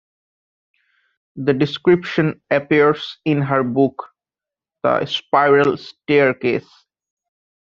The description appears in her book "The Spiral Staircase".